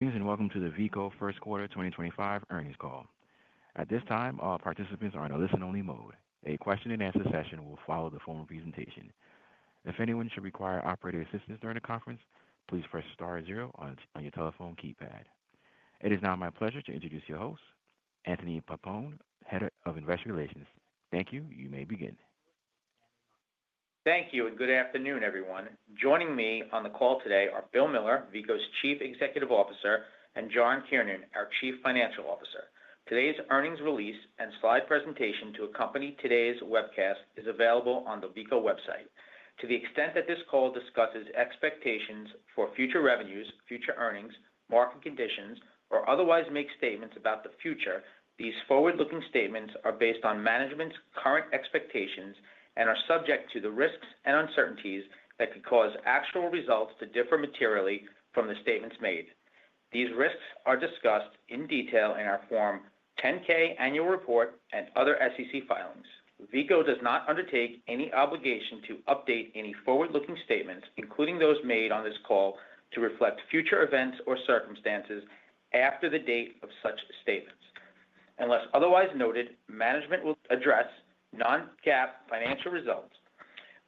Welcome to the Veeco First Quarter 2025 earnings call. At this time, all participants are in a listen-only mode. A question-and-answer session will follow the formal presentation. If anyone should require operator assistance during the conference, please press star zero on your telephone keypad. It is now my pleasure to introduce your host, Anthony Pappone, Head of Investor Relations. Thank you. You may begin. Thank you, and good afternoon, everyone. Joining me on the call today are Bill Miller, Veeco's Chief Executive Officer, and John Kiernan, our Chief Financial Officer. Today's earnings release and slide presentation to accompany today's webcast is available on the Veeco website. To the extent that this call discusses expectations for future revenues, future earnings, market conditions, or otherwise make statements about the future, these forward-looking statements are based on management's current expectations and are subject to the risks and uncertainties that could cause actual results to differ materially from the statements made. These risks are discussed in detail in our Form 10-K Annual Report and other SEC filings. Veeco does not undertake any obligation to update any forward-looking statements, including those made on this call, to reflect future events or circumstances after the date of such statements. Unless otherwise noted, management will address non-GAAP financial results.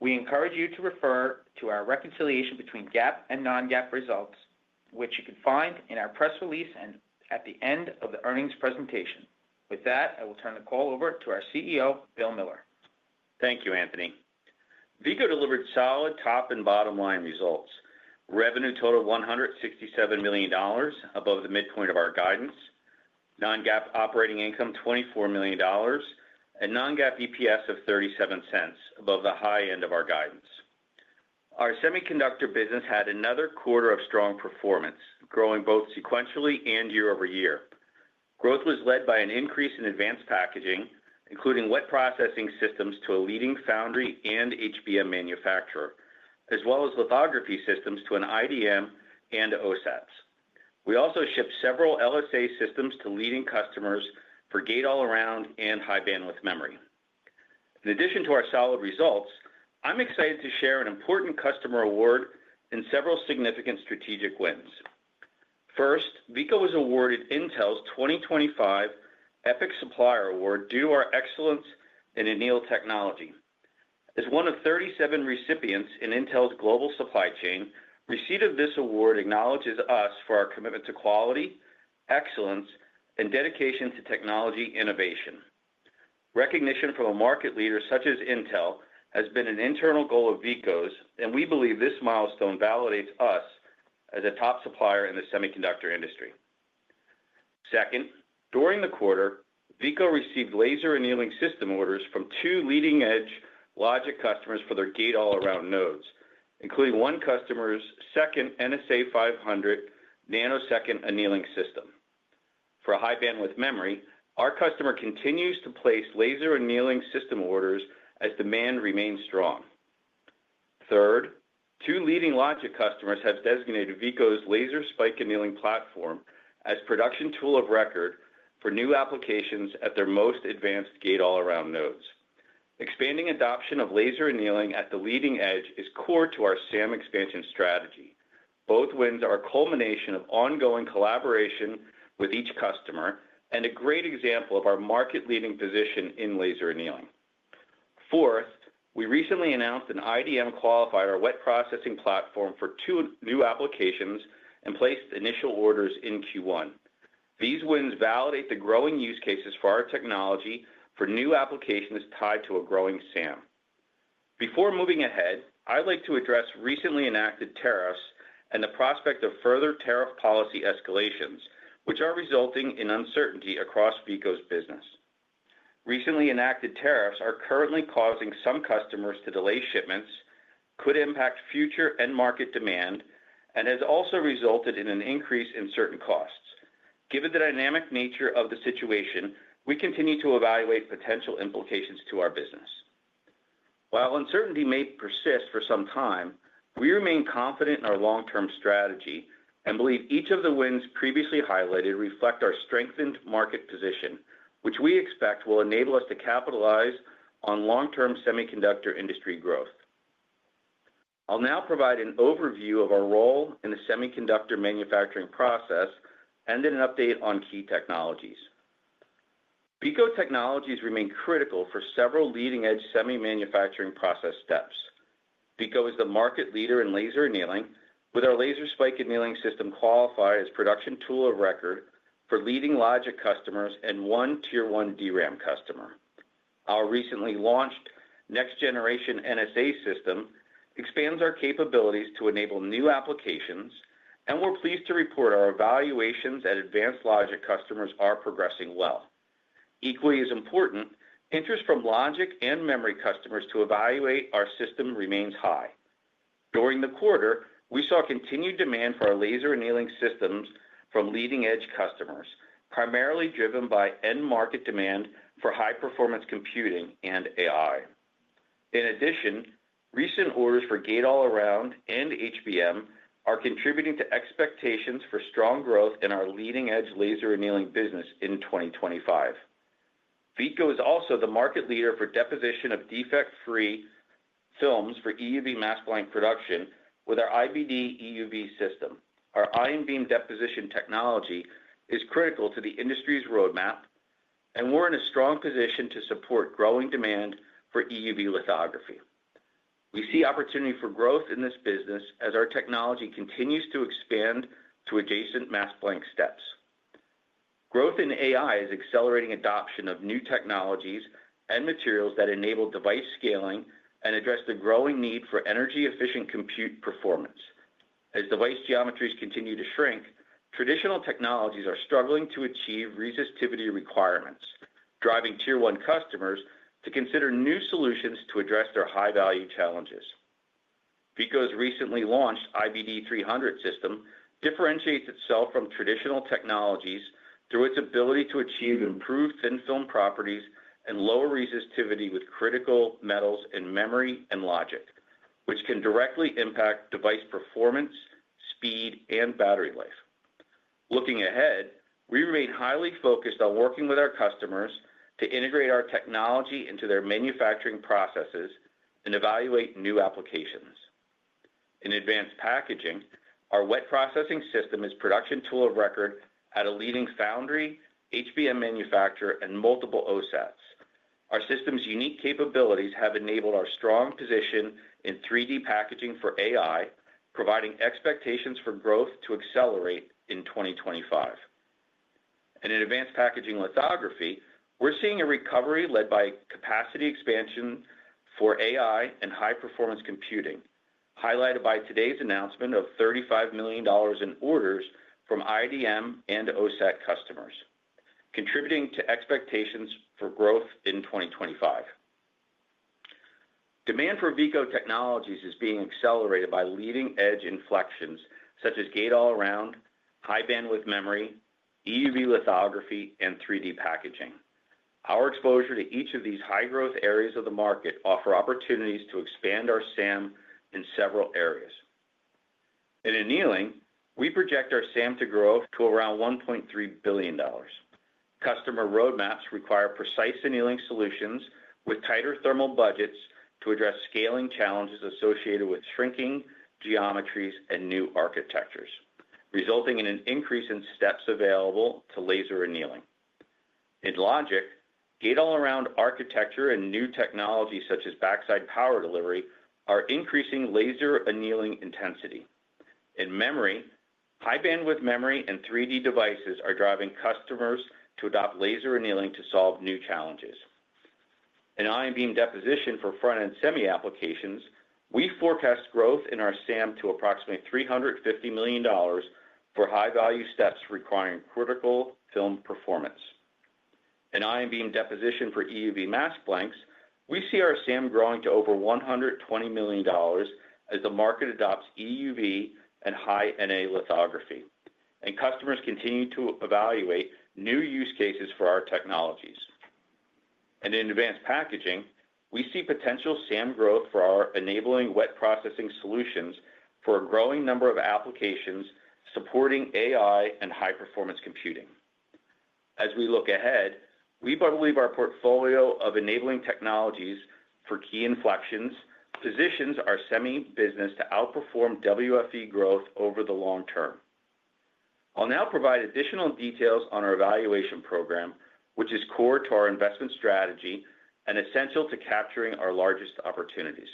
We encourage you to refer to our reconciliation between GAAP and non-GAAP results, which you can find in our press release and at the end of the earnings presentation. With that, I will turn the call over to our CEO, Bill Miller. Thank you, Anthony. Veeco delivered solid top and bottom-line results: revenue totaled $167 million above the midpoint of our guidance, non-GAAP operating income $24 million, and non-GAAP EPS of $0.37 above the high end of our guidance. Our semiconductor business had another quarter of strong performance, growing both sequentially and year-over-year. Growth was led by an increase in advanced packaging, including wet processing systems to a leading foundry and HBM manufacturer, as well as lithography systems to an IDM and OSATs. We also shipped several LSA systems to leading customers for gate-all-around and high-bandwidth memory. In addition to our solid results, I'm excited to share an important customer award and several significant strategic wins. First, Veeco was awarded Intel's 2025 Supplier Award due to our excellence in anneal technology. As one of 37 recipients in Intel's global supply chain, receipt of this award acknowledges us for our commitment to quality, excellence, and dedication to technology innovation. Recognition from a market leader such as Intel has been an internal goal of Veeco's, and we believe this milestone validates us as a top supplier in the semiconductor industry. Second, during the quarter, Veeco received laser annealing system orders from two leading-edge logic customers for their gate-all-around nodes, including one customer's second NSA 500 nanosecond annealing system. For high-bandwidth memory, our customer continues to place laser annealing system orders as demand remains strong. Third, two leading logic customers have designated Veeco's laser spike annealing platform as production tool of record for new applications at their most advanced gate-all-around nodes. Expanding adoption of laser annealing at the leading edge is core to our SAM expansion strategy. Both wins are a culmination of ongoing collaboration with each customer and a great example of our market-leading position in laser annealing. Fourth, we recently announced an IDM qualifier wet processing platform for two new applications and placed initial orders in Q1. These wins validate the growing use cases for our technology for new applications tied to a growing SAM. Before moving ahead, I'd like to address recently enacted tariffs and the prospect of further tariff policy escalations, which are resulting in uncertainty across Veeco's business. Recently enacted tariffs are currently causing some customers to delay shipments, could impact future and market demand, and have also resulted in an increase in certain costs. Given the dynamic nature of the situation, we continue to evaluate potential implications to our business. While uncertainty may persist for some time, we remain confident in our long-term strategy and believe each of the wins previously highlighted reflects our strengthened market position, which we expect will enable us to capitalize on long-term semiconductor industry growth. I'll now provide an overview of our role in the semiconductor manufacturing process and an update on key technologies. Veeco technologies remain critical for several leading-edge semi-manufacturing process steps. Veeco is the market leader in laser annealing, with our laser spike annealing system qualified as production tool of record for leading logic customers and one Tier 1 DRAM customer. Our recently launched next-generation NSA system expands our capabilities to enable new applications, and we're pleased to report our evaluations that advanced logic customers are progressing well. Equally as important, interest from logic and memory customers to evaluate our system remains high. During the quarter, we saw continued demand for our laser annealing systems from leading-edge customers, primarily driven by end-market demand for high-performance computing and AI. In addition, recent orders for gate-all-around and HBM are contributing to expectations for strong growth in our leading-edge laser annealing business in 2025. Veeco is also the market leader for deposition of defect-free films for EUV mask blank production with our IBD EUV system. Our ion beam deposition technology is critical to the industry's roadmap, and we're in a strong position to support growing demand for EUV lithography. We see opportunity for growth in this business as our technology continues to expand to adjacent mask blank steps. Growth in AI is accelerating adoption of new technologies and materials that enable device scaling and address the growing need for energy-efficient compute performance. As device geometries continue to shrink, traditional technologies are struggling to achieve resistivity requirements, driving Tier 1 customers to consider new solutions to address their high-value challenges. Veeco's recently launched IBD 300 system differentiates itself from traditional technologies through its ability to achieve improved thin film properties and lower resistivity with critical metals in memory and logic, which can directly impact device performance, speed, and battery life. Looking ahead, we remain highly focused on working with our customers to integrate our technology into their manufacturing processes and evaluate new applications. In advanced packaging, our wet processing system is production tool of record at a leading foundry, HBM manufacturer, and multiple OSATs. Our system's unique capabilities have enabled our strong position in 3D packaging for AI, providing expectations for growth to accelerate in 2025. In advanced packaging lithography, we're seeing a recovery led by capacity expansion for AI and high-performance computing, highlighted by today's announcement of $35 million in orders from IDM and OSAT customers, contributing to expectations for growth in 2025. Demand for Veeco technologies is being accelerated by leading-edge inflections such as gate-all-around, high-bandwidth memory, EUV lithography, and 3D packaging. Our exposure to each of these high-growth areas of the market offers opportunities to expand our SAM in several areas. In annealing, we project our SAM to grow to around $1.3 billion. Customer roadmaps require precise annealing solutions with tighter thermal budgets to address scaling challenges associated with shrinking geometries and new architectures, resulting in an increase in steps available to laser annealing. In logic, gate-all-around architecture and new technology such as backside power delivery are increasing laser annealing intensity. In memory, high-bandwidth memory and 3D devices are driving customers to adopt laser annealing to solve new challenges. In ion beam deposition for front-end semi applications, we forecast growth in our SAM to approximately $350 million for high-value steps requiring critical film performance. In ion beam deposition for EUV mask blanks, we see our SAM growing to over $120 million as the market adopts EUV and high-NA lithography, and customers continue to evaluate new use cases for our technologies. In advanced packaging, we see potential SAM growth for our enabling wet processing solutions for a growing number of applications supporting AI and high-performance computing. As we look ahead, we believe our portfolio of enabling technologies for key inflections positions our semi business to outperform WFE growth over the long term. I'll now provide additional details on our evaluation program, which is core to our investment strategy and essential to capturing our largest opportunities.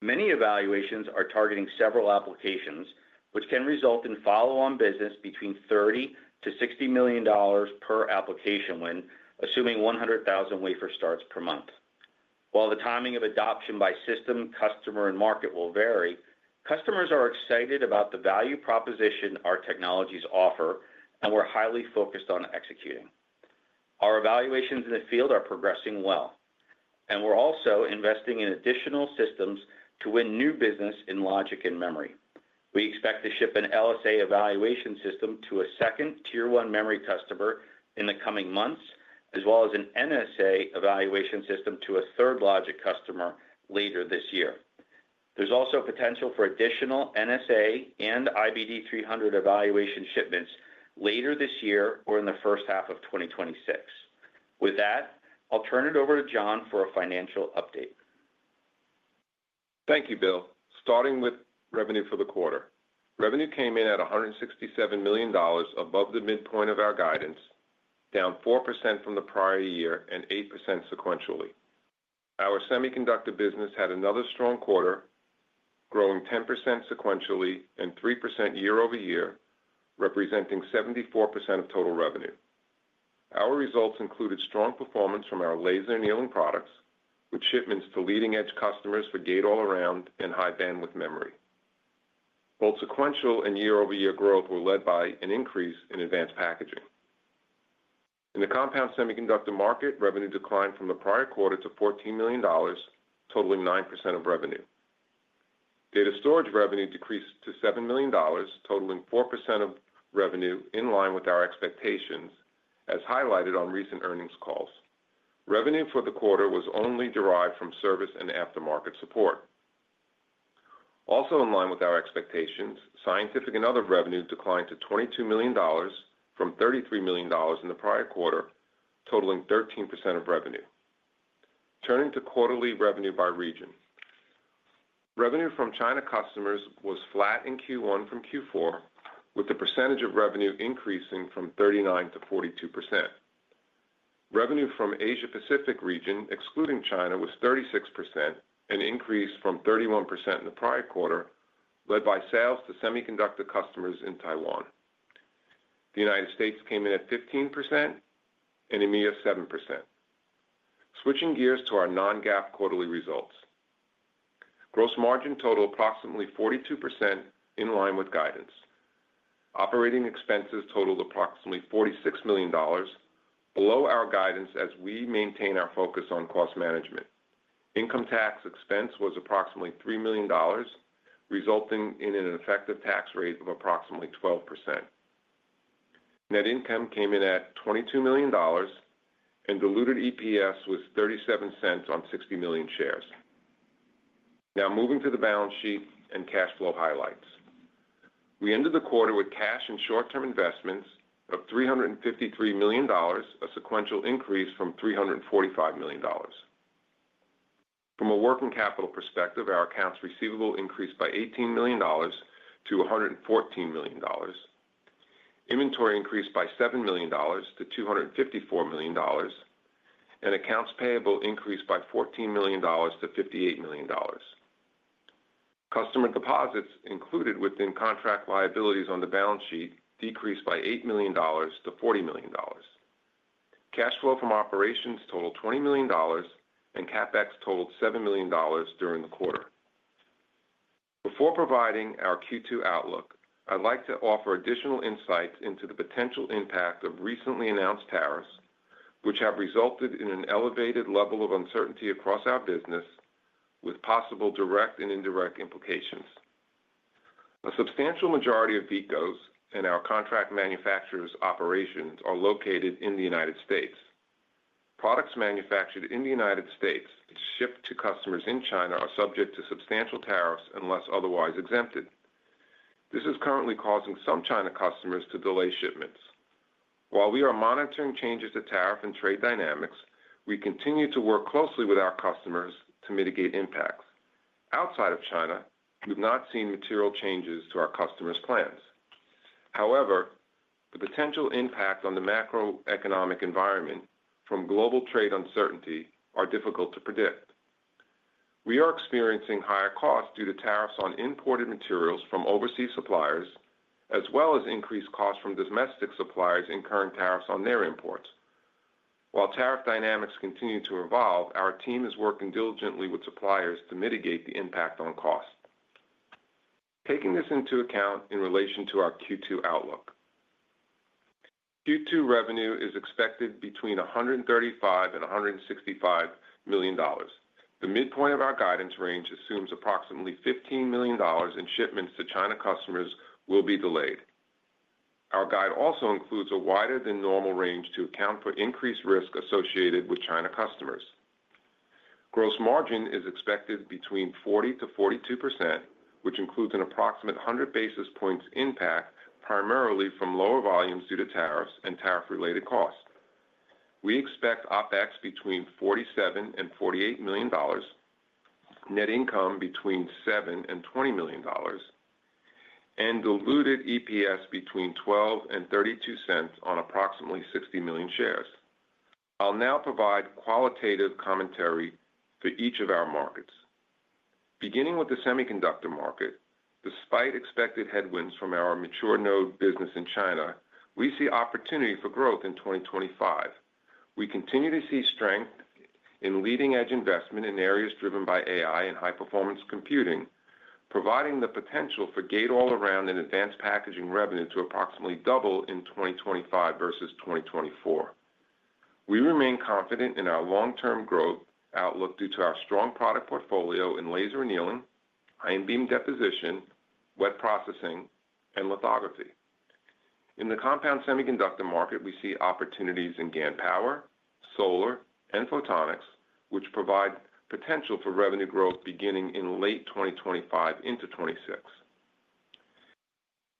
Many evaluations are targeting several applications, which can result in follow-on business between $30 million-$60 million per application win, assuming 100,000 wafer starts per month. While the timing of adoption by system, customer, and market will vary, customers are excited about the value proposition our technologies offer and we're highly focused on executing. Our evaluations in the field are progressing well, and we're also investing in additional systems to win new business in logic and memory. We expect to ship an LSA evaluation system to a second Tier 1 memory customer in the coming months, as well as an NSA evaluation system to a third logic customer later this year. There's also potential for additional NSA and IBD 300 evaluation shipments later this year or in the first half of 2026. With that, I'll turn it over to John for a financial update. Thank you, Bill. Starting with revenue for the quarter, revenue came in at $167 million above the midpoint of our guidance, down 4% from the prior year and 8% sequentially. Our semiconductor business had another strong quarter, growing 10% sequentially and 3% year-over-year, representing 74% of total revenue. Our results included strong performance from our laser annealing products, with shipments to leading-edge customers for gate-all-around and high-bandwidth memory. Both sequential and year-over-year growth were led by an increase in advanced packaging. In the compound semiconductor market, revenue declined from the prior quarter to $14 million, totaling 9% of revenue. Data storage revenue decreased to $7 million, totaling 4% of revenue, in line with our expectations, as highlighted on recent earnings calls. Revenue for the quarter was only derived from service and aftermarket support. Also in line with our expectations, scientific and other revenue declined to $22 million from $33 million in the prior quarter, totaling 13% of revenue. Turning to quarterly revenue by region, revenue from China customers was flat in Q1 from Q4, with the percentage of revenue increasing from 39%-42%. Revenue from Asia-Pacific region, excluding China, was 36%, an increase from 31% in the prior quarter, led by sales to semiconductor customers in Taiwan. The United States came in at 15% and EMEA 7%. Switching gears to our non-GAAP quarterly results, gross margin totaled approximately 42%, in line with guidance. Operating expenses totaled approximately $46 million, below our guidance as we maintain our focus on cost management. Income tax expense was approximately $3 million, resulting in an effective tax rate of approximately 12%. Net income came in at $22 million, and diluted EPS was $0.37 on 60 million shares. Now moving to the balance sheet and cash flow highlights. We ended the quarter with cash and short-term investments of $353 million, a sequential increase from $345 million. From a working capital perspective, our accounts receivable increased by $18 million-$114 million. Inventory increased by $7 million-$254 million, and accounts payable increased by $14 million-$58 million. Customer deposits included within contract liabilities on the balance sheet decreased by $8 million-$40 million. Cash flow from operations totaled $20 million, and CapEx totaled $7 million during the quarter. Before providing our Q2 outlook, I'd like to offer additional insights into the potential impact of recently announced tariffs, which have resulted in an elevated level of uncertainty across our business, with possible direct and indirect implications. A substantial majority of Veeco's and our contract manufacturers' operations are located in the United States. Products manufactured in the United States shipped to customers in China are subject to substantial tariffs unless otherwise exempted. This is currently causing some China customers to delay shipments. While we are monitoring changes to tariff and trade dynamics, we continue to work closely with our customers to mitigate impacts. Outside of China, we've not seen material changes to our customers' plans. However, the potential impact on the macroeconomic environment from global trade uncertainty is difficult to predict. We are experiencing higher costs due to tariffs on imported materials from overseas suppliers, as well as increased costs from domestic suppliers incurring tariffs on their imports. While tariff dynamics continue to evolve, our team is working diligently with suppliers to mitigate the impact on cost. Taking this into account in relation to our Q2 outlook, Q2 revenue is expected between $135 million and $165 million. The midpoint of our guidance range assumes approximately $15 million in shipments to China customers will be delayed. Our guide also includes a wider-than-normal range to account for increased risk associated with China customers. Gross margin is expected between 40%-42%, which includes an approximate 100 basis points impact primarily from lower volumes due to tariffs and tariff-related costs. We expect OpEx between $47 million-$48 million, net income between $7 million-$20 million, and diluted EPS between $0.12 and $0.32 on approximately 60 million shares. I'll now provide qualitative commentary for each of our markets. Beginning with the semiconductor market, despite expected headwinds from our mature node business in China, we see opportunity for growth in 2025. We continue to see strength in leading-edge investment in areas driven by AI and high-performance computing, providing the potential for gate-all-around and advanced packaging revenue to approximately double in 2025 versus 2024. We remain confident in our long-term growth outlook due to our strong product portfolio in laser annealing, ion beam deposition, wet processing, and lithography. In the compound semiconductor market, we see opportunities in GaN power, solar, and photonics, which provide potential for revenue growth beginning in late 2025 into 2026.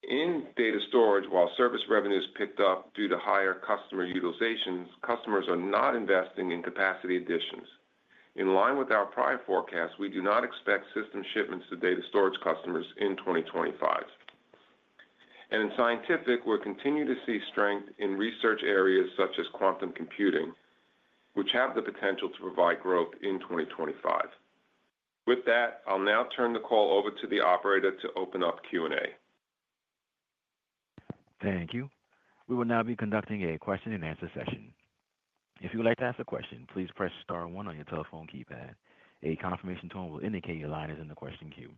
In data storage, while service revenues picked up due to higher customer utilization, customers are not investing in capacity additions. In line with our prior forecast, we do not expect system shipments to data storage customers in 2025. In scientific, we'll continue to see strength in research areas such as quantum computing, which have the potential to provide growth in 2025. With that, I'll now turn the call over to the operator to open up Q&A. Thank you. We will now be conducting a question-and-answer session. If you would like to ask a question, please press star one on your telephone keypad. A confirmation tone will indicate your line is in the question queue.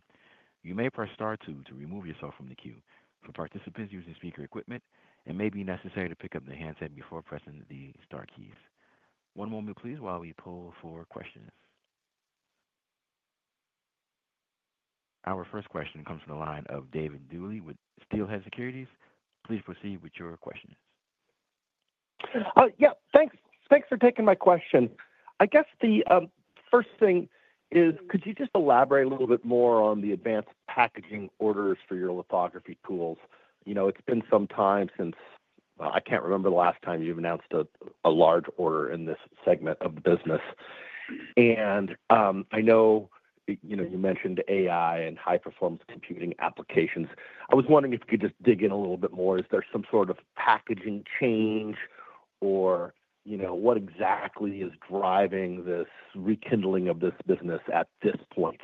You may press star two to remove yourself from the queue. For participants using speaker equipment, it may be necessary to pick up the handset before pressing the Star keys. One moment, please, while we pull for questions. Our first question comes from the line of David Duley with Steelhead Securities. Please proceed with your questions. Yeah, thanks. Thanks for taking my question. I guess the first thing is, could you just elaborate a little bit more on the advanced packaging orders for your lithography tools? It's been some time since—I can't remember the last time you've announced a large order in this segment of the business. I know you mentioned AI and high-performance computing applications. I was wondering if you could just dig in a little bit more. Is there some sort of packaging change, or what exactly is driving this rekindling of this business at this point?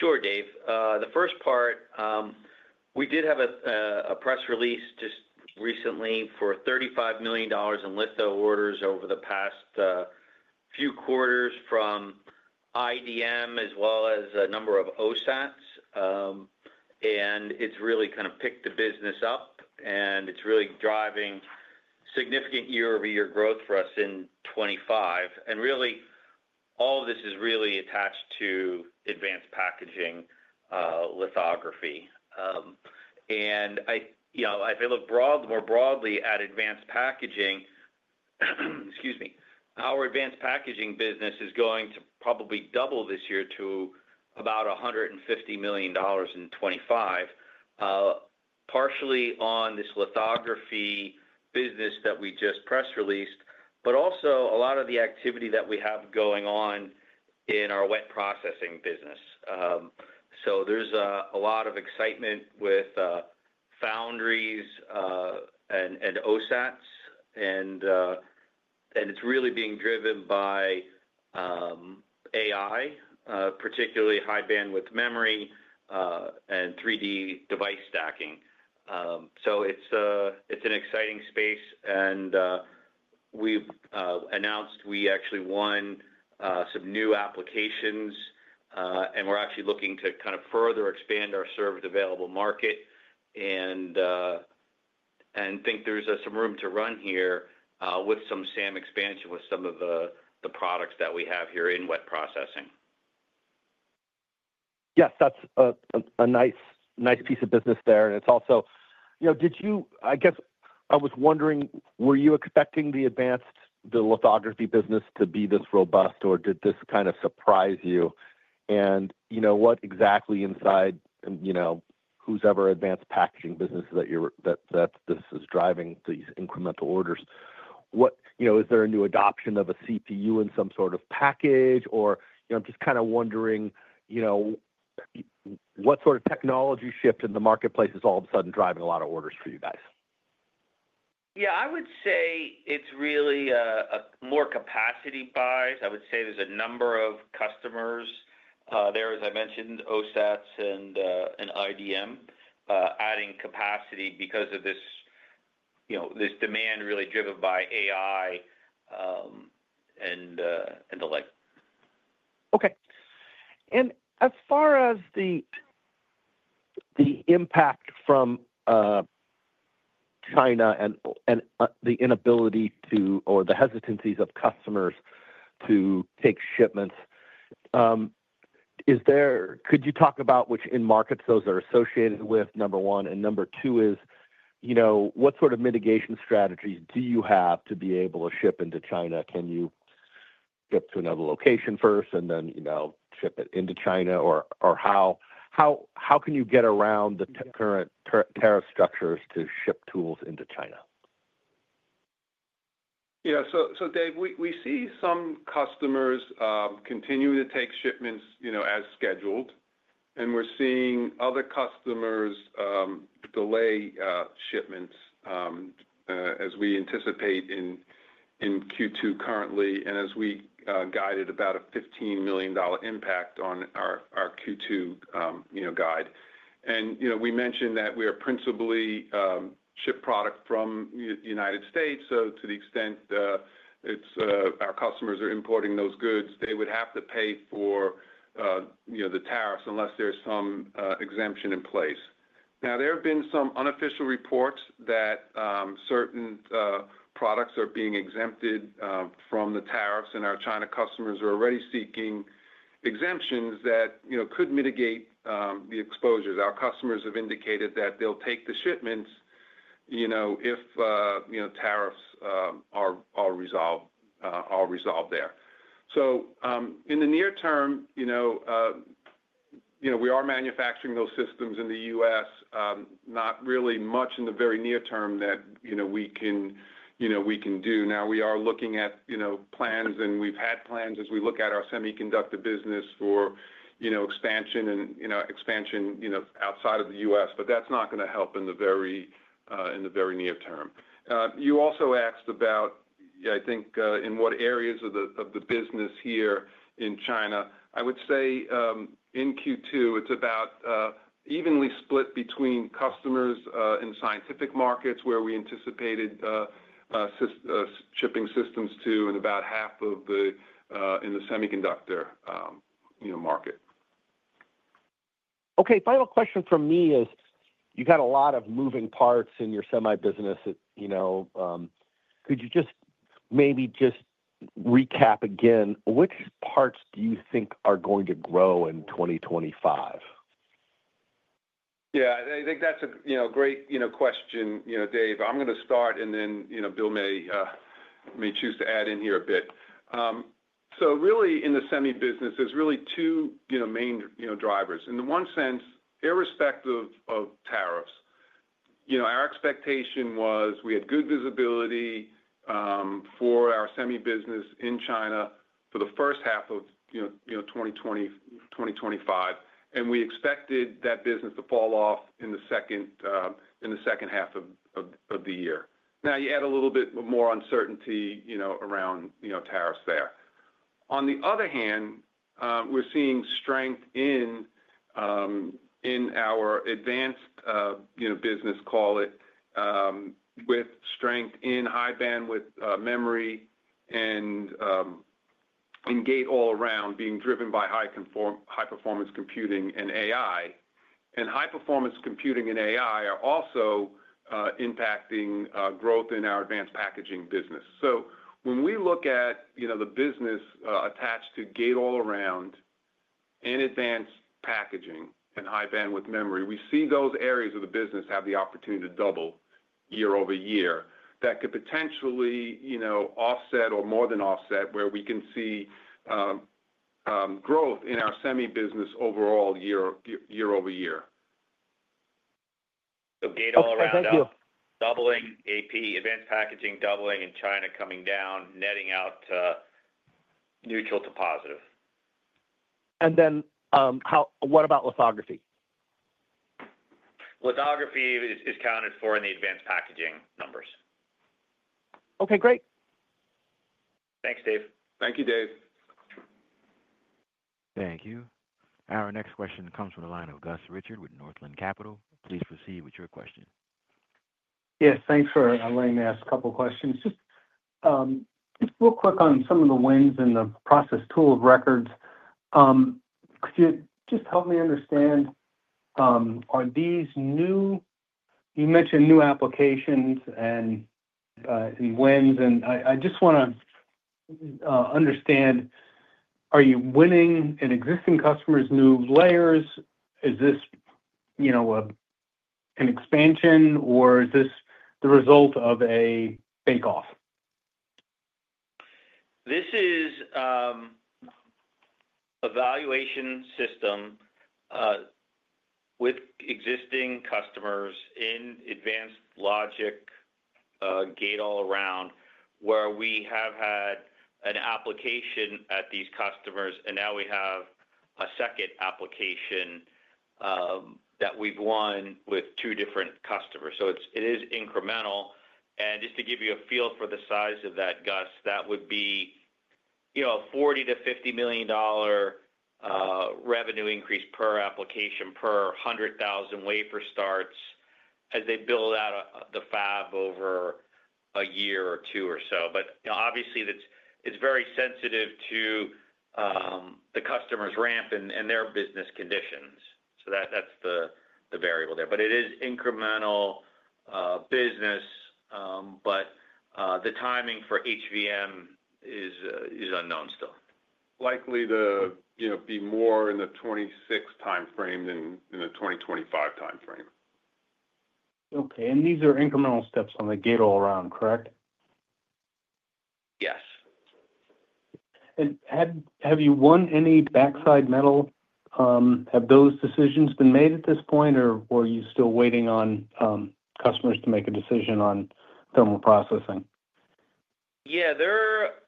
Sure, Dave. The first part, we did have a press release just recently for $35 million in litho orders over the past few quarters from IDM, as well as a number of OSATs. It has really kind of picked the business up, and it is really driving significant year-over-year growth for us in 2025. Really, all of this is attached to advanced packaging lithography. If I look more broadly at advanced packaging—excuse me—our advanced packaging business is going to probably double this year to about $150 million in 2025, partially on this lithography business that we just press released, but also a lot of the activity that we have going on in our wet processing business. There is a lot of excitement with foundries and OSATs, and it is really being driven by AI, particularly high-bandwidth memory and 3D device stacking. It is an exciting space, and we have announced we actually won some new applications, and we are actually looking to kind of further expand our service-available market and think there is some room to run here with some SAM expansion with some of the products that we have here in wet processing. Yes, that is a nice piece of business there. It is also—did you—I guess I was wondering, were you expecting the advanced lithography business to be this robust, or did this kind of surprise you? What exactly inside whoever's advanced packaging business is driving these incremental orders? Is there a new adoption of a CPU in some sort of package? I'm just kind of wondering what sort of technology shift in the marketplace is all of a sudden driving a lot of orders for you guys? Yeah, I would say it's really more capacity bias. I would say there's a number of customers there, as I mentioned, OSATs and IDM, adding capacity because of this demand really driven by AI and the like. Okay. As far as the impact from China and the inability to—or the hesitancies of customers to take shipments, could you talk about which end markets those are associated with, number one? Number two is, what sort of mitigation strategies do you have to be able to ship into China? Can you ship to another location first and then ship it into China, or how can you get around the current tariff structures to ship tools into China? Yeah. Yeah. Dave, we see some customers continue to take shipments as scheduled, and we're seeing other customers delay shipments as we anticipate in Q2 currently and as we guided about a $15 million impact on our Q2 guide. We mentioned that we principally ship product from the United States. To the extent our customers are importing those goods, they would have to pay for the tariffs unless there's some exemption in place. There have been some unofficial reports that certain products are being exempted from the tariffs, and our China customers are already seeking exemptions that could mitigate the exposures. Our customers have indicated that they'll take the shipments if tariffs are resolved there. In the near term, we are manufacturing those systems in the U.S., not really much in the very near term that we can do. Now, we are looking at plans, and we've had plans as we look at our semiconductor business for expansion and expansion outside of the U.S., but that's not going to help in the very near term. You also asked about, I think, in what areas of the business here in China. I would say in Q2, it's about evenly split between customers in scientific markets where we anticipated shipping systems to and about half of the in the semiconductor market. Okay. Final question from me is, you've got a lot of moving parts in your semi business. Could you just maybe just recap again? Which parts do you think are going to grow in 2025? Yeah. I think that's a great question, Dave. I'm going to start, and then Bill may choose to add in here a bit. So really, in the semi business, there's really two main drivers. In the one sense, irrespective of tariffs, our expectation was we had good visibility for our semi business in China for the first half of 2025, and we expected that business to fall off in the second half of the year. Now, you add a little bit more uncertainty around tariffs there. On the other hand, we're seeing strength in our advanced business, call it, with strength in high-bandwidth memory and gate-all-around being driven by high-performance computing and AI. High-performance computing and AI are also impacting growth in our advanced packaging business. When we look at the business attached to gate-all-around and advanced packaging and high-bandwidth memory, we see those areas of the business have the opportunity to double year-over-year. That could potentially offset or more than offset where we can see growth in our semi business overall year-over-year. Gate-all-around doubling, AP, advanced packaging doubling in China coming down, netting out neutral to positive. What about lithography? Lithography is counted for in the advanced packaging numbers. Okay. Great. Thanks, Dave. Thank you, Dave. Thank you. Our next question comes from the line of Gus Richard with Northland Capital. Please proceed with your question. Yes. Thanks for letting me ask a couple of questions. Just real quick on some of the wins in the process tool of records. Could you just help me understand, are these new—you mentioned new applications and wins, and I just want to understand, are you winning in existing customers, new layers? Is this an expansion, or is this the result of a bake-off? This is a valuation system with existing customers in advanced logic, gate-all-around, where we have had an application at these customers, and now we have a second application that we've won with two different customers. It is incremental. Just to give you a feel for the size of that, Gus, that would be a $40 million-$50 million revenue increase per application per 100,000 wafer starts as they build out the fab over a year or two or so. It is very sensitive to the customer's ramp and their business conditions. That is the variable there. It is incremental business, but the timing for HVM is unknown still. Likely to be more in the 2026 timeframe than in the 2025 timeframe. Okay. These are incremental steps on the gate-all-around, correct? Yes. Have you won any backside metal? Have those decisions been made at this point, or are you still waiting on customers to make a decision on thermal processing? Yeah.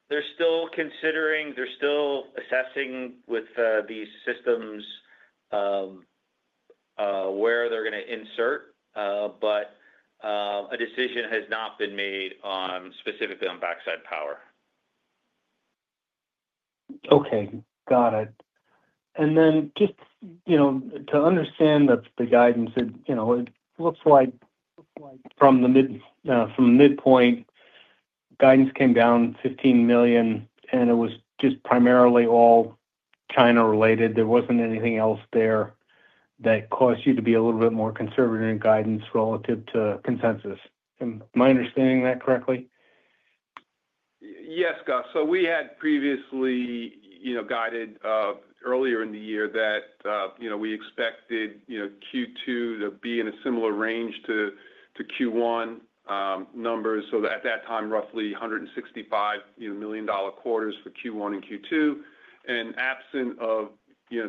They're still considering, they're still assessing with these systems where they're going to insert. But a decision has not been made specifically on backside power. Okay. Got it. And then just to understand the guidance, it looks like from the midpoint, guidance came down $15 million, and it was just primarily all China-related. There was not anything else there that caused you to be a little bit more conservative in guidance relative to consensus. Am I understanding that correctly? Yes, Gus. We had previously guided earlier in the year that we expected Q2 to be in a similar range to Q1 numbers. At that time, roughly $165 million quarters for Q1 and Q2. Absent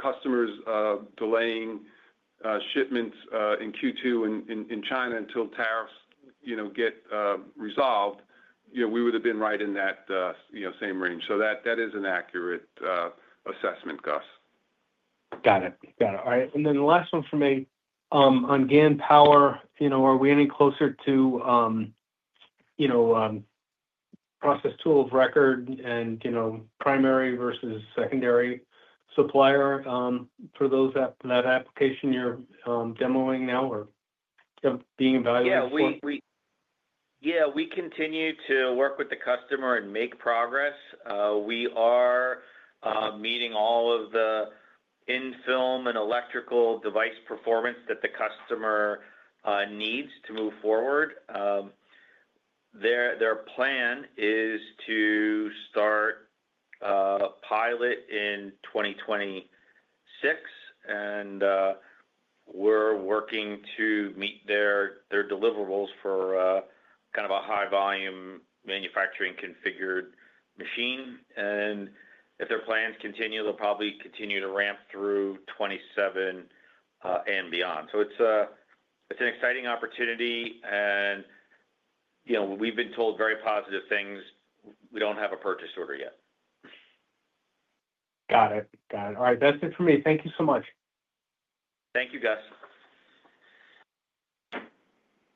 customers delaying shipments in Q2 in China until tariffs get resolved, we would have been right in that same range. That is an accurate assessment, Gus. Got it. Got it. All right. The last one for me on GaN power, are we any closer to process tool of record and primary versus secondary supplier for that application you're demoing now or being evaluated for? Yeah. We continue to work with the customer and make progress. We are meeting all of the in-film and electrical device performance that the customer needs to move forward. Their plan is to start pilot in 2026, and we're working to meet their deliverables for kind of a high-volume manufacturing configured machine. If their plans continue, they'll probably continue to ramp through 2027 and beyond. It is an exciting opportunity, and we've been told very positive things. We don't have a purchase order yet. Got it. Got it. All right. That's it for me. Thank you so much. Thank you, Gus.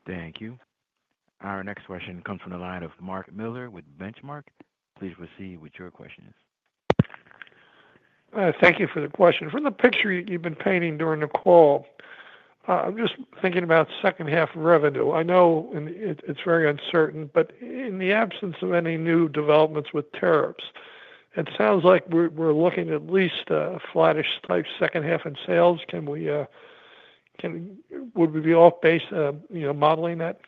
Thank you. Our next question comes from the line of Mark Miller with Benchmark. Please proceed with your questions. Thank you for the question. From the picture you've been painting during the call, I'm just thinking about second-half revenue. I know it's very uncertain, but in the absence of any new developments with tariffs, it sounds like we're looking at least a flattish type second-half in sales, would we be off base modeling that?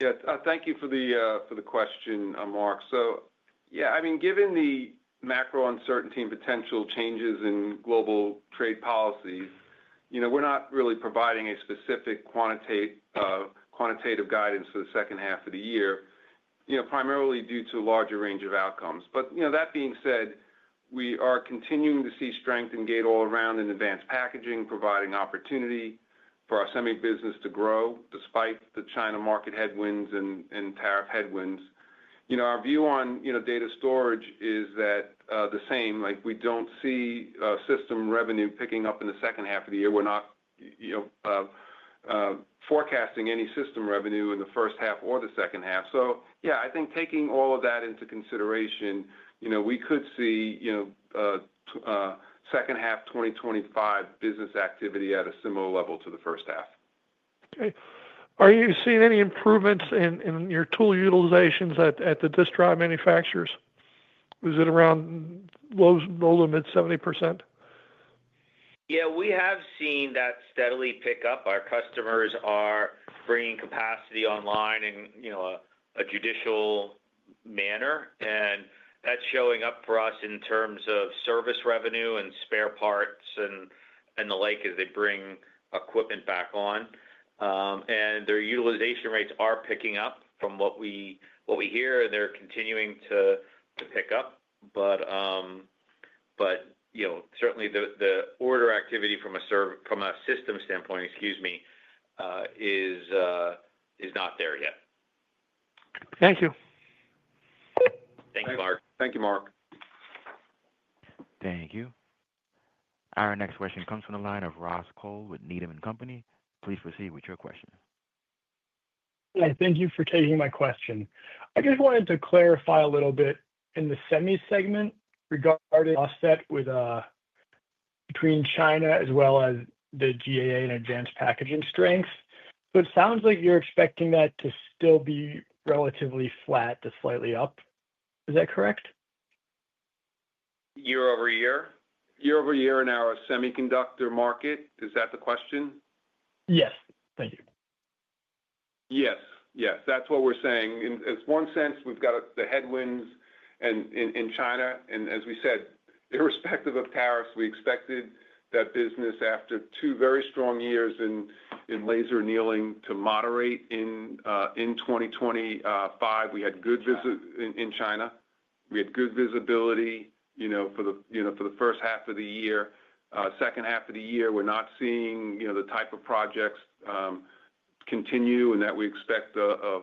Yes. Thank you for the question, Mark. Yeah, I mean, given the macro uncertainty and potential changes in global trade policies, we're not really providing a specific quantitative guidance for the second half of the year, primarily due to a larger range of outcomes. That being said, we are continuing to see strength in gate-all-around and advanced packaging, providing opportunity for our semi business to grow despite the China market headwinds and tariff headwinds. Our view on data storage is the same. We do not see system revenue picking up in the second half of the year. We are not forecasting any system revenue in the first half or the second half. Yeah, I think taking all of that into consideration, we could see second half 2025 business activity at a similar level to the first half. Okay. Are you seeing any improvements in your tool utilizations at the distributed manufacturers? Is it around low to mid 70%? Yeah. We have seen that steadily pick up. Our customers are bringing capacity online in a judicial manner, and that's showing up for us in terms of service revenue and spare parts and the like as they bring equipment back on. Their utilization rates are picking up from what we hear. They're continuing to pick up. Certainly, the order activity from a system standpoint, excuse me, is not there yet. Thank you. Thank you, Mark. Thank you, Mark. Thank you. Our next question comes from the line of Ross Cole with Needham & Company. Please proceed with your question. Thank you for taking my question. I just wanted to clarify a little bit in the semi segment regarding offset between China as well as the GAA and advanced packaging strength. It sounds like you're expecting that to still be relatively flat to slightly up. Is that correct? Year-over-year? Year-over-year in our semiconductor market, is that the question? Yes. Thank you. Yes. Yes. That's what we're saying. In one sense, we've got the headwinds in China. As we said, irrespective of tariffs, we expected that business after two very strong years in laser annealing to moderate in 2025. We had good visit in China. We had good visibility for the first half of the year. Second half of the year, we're not seeing the type of projects continue in that we expect a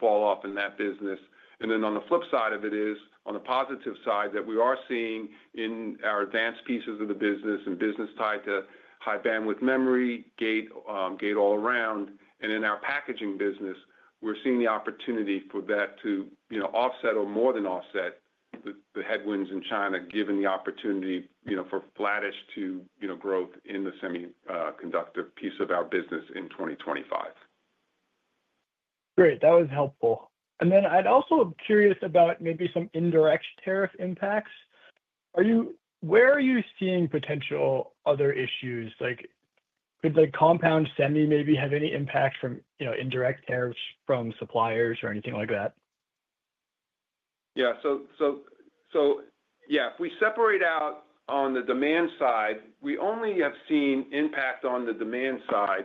falloff in that business. On the flip side of it is, on the positive side, that we are seeing in our advanced pieces of the business and business tied to high-bandwidth memory, gate-all-around. In our packaging business, we're seeing the opportunity for that to offset or more than offset the headwinds in China, given the opportunity for flattish to growth in the semiconductor piece of our business in 2025. That was helpful. I'd also be curious about maybe some indirect tariff impacts. Where are you seeing potential other issues? Could compound semi maybe have any impact from indirect tariffs from suppliers or anything like that? If we separate out on the demand side, we only have seen impact on the demand side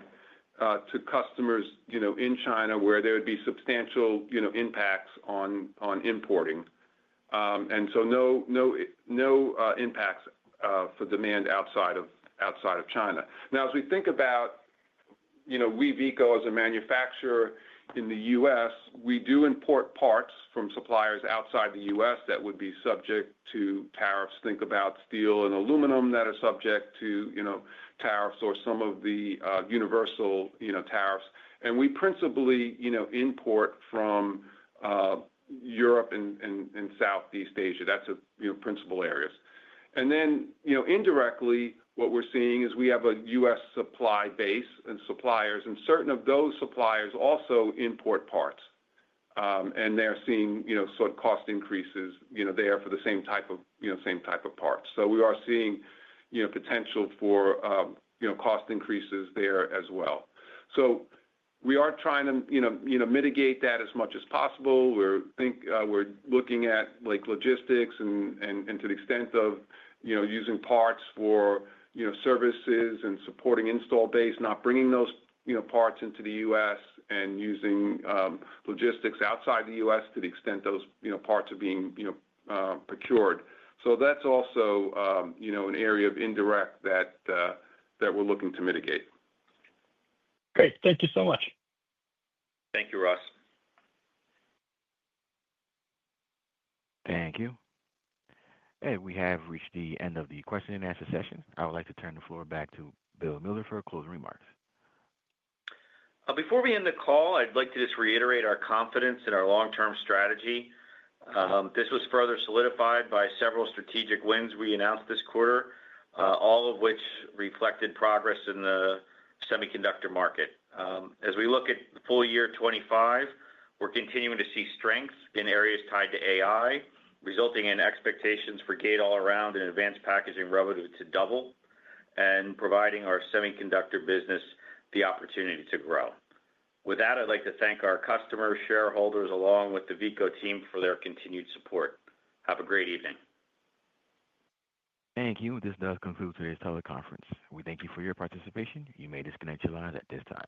to customers in China where there would be substantial impacts on importing. No impacts for demand outside of China. Now, as we think about Veeco as a manufacturer in the U.S., we do import parts from suppliers outside the U.S. that would be subject to tariffs. Think about steel and aluminum that are subject to tariffs or some of the universal tariffs. We principally import from Europe and Southeast Asia. That is principal areas. Indirectly, what we are seeing is we have a U.S. supply base and suppliers, and certain of those suppliers also import parts. They are seeing sort of cost increases there for the same type of parts. We are seeing potential for cost increases there as well. We are trying to mitigate that as much as possible. We are looking at logistics and to the extent of using parts for services and supporting install base, not bringing those parts into the U.S. and using logistics outside the U.S. to the extent those parts are being procured. That is also an area of indirect that we are looking to mitigate. Great. Thank you so much. Thank you, Ross. Thank you. We have reached the end of the question-and-answer session. I would like to turn the floor back to Bill Miller for closing remarks. Before we end the call, I'd like to just reiterate our confidence in our long-term strategy. This was further solidified by several strategic wins we announced this quarter, all of which reflected progress in the semiconductor market. As we look at full year 2025, we're continuing to see strength in areas tied to AI, resulting in expectations for gate-all-around and advanced packaging revenue to double and providing our semiconductor business the opportunity to grow. With that, I'd like to thank our customers, shareholders, along with the Veeco team for their continued support. Have a great evening. Thank you. This does conclude today's teleconference. We thank you for your participation. You may disconnect your lines at this time.